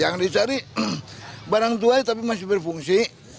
yang dicari barang tua tapi masih berfungsi